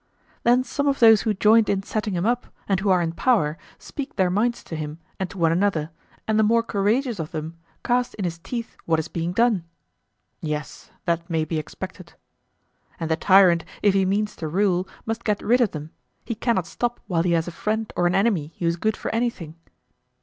Then some of those who joined in setting him up, and who are in power, speak their minds to him and to one another, and the more courageous of them cast in his teeth what is being done. Yes, that may be expected. And the tyrant, if he means to rule, must get rid of them; he cannot stop while he has a friend or an enemy who is good for anything.